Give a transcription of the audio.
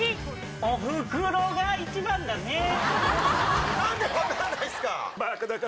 おふくろが一番だねー。